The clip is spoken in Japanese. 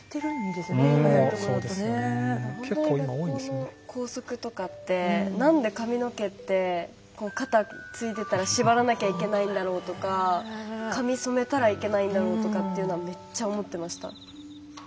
学校の校則とかってなんで髪の毛って肩ついてたら縛らなきゃいけないんだろうとか髪染めたらいけないんだろうとかめっちゃ思ってました。